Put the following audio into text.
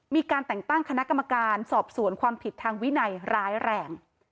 มีการแต่งตั้งคณะกรรมการสอบสวนความผิดทางวินัยร้ายแรง